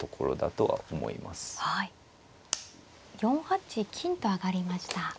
４八金と上がりました。